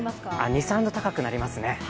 ２３度高くなりますね。